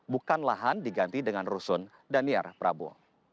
bukan lahan diganti dengan rusun dan niat prabu